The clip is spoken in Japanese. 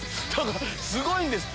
すごいんですって